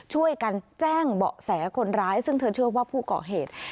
ช่วยกันแจ้งเบาะแสคนร้ายซึ่งเธอเชื่อว่าผู้ก่อเหตุ